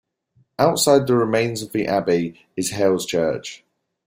Outside the remains of the Abbey is Hailes Church.